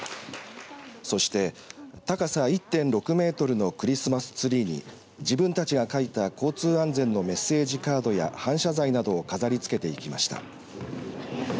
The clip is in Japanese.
そして高さ１．６メートルのクリスマスツリーに自分たちが書いた交通安全のメッセージカードや反射材などを飾りつけていきました。